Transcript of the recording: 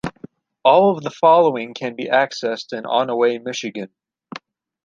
All of the following can be accessed in Onaway, Michigan.